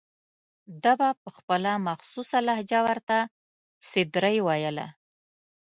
ده به په خپله مخصوصه لهجه ورته سدرۍ ویله.